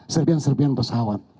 serpian serpian pesawat